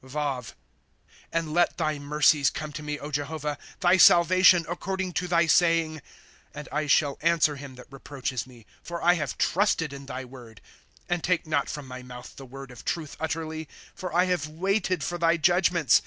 Vav. *'■ And let thy mercies come to me, Jehovah, Thy salvation, according to thy saying, *^ And I shall answer him that reproaches me ; For I have trusted in thy word, *^ And take not from my mouth the word of truth utterly ; For I have waited for thy judgments.